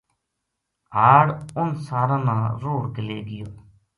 ہاڑ اُنھ ساراں نا رُڑھ کے لے گیو